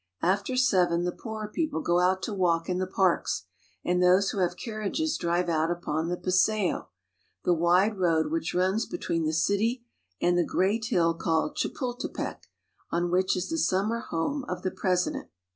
After seven the poorer people go out to walk in the parks, and those who have carriages drive out upon the Paseo, the wide road which runs between the city and the great hill called Chapultepec, on which is the summer home of the President.